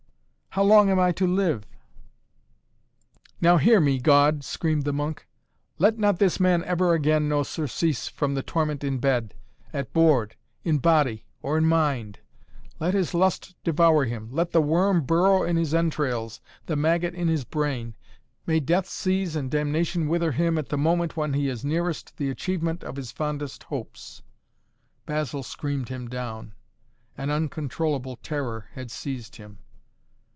"How long am I to live?" "Now, hear me, God," screamed the monk. "Let not this man ever again know surcease from torment in bed, at board, in body or in mind. Let his lust devour him, let the worm burrow in his entrails, the maggot in his brain! May death seize and damnation wither him at the moment when he is nearest the achievement of his fondest hopes!" Basil screamed him down. An uncontrollable terror had seized him.